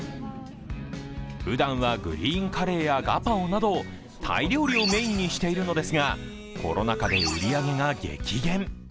ふだんはグリーンカレーやガパオなどタイ料理をメインにしているのですが、コロナ禍で売り上げが激減。